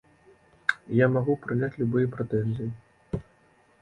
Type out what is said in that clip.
Я магу прыняць любыя прэтэнзіі.